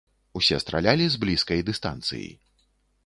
Усе стралялі з блізкай дыстанцыі.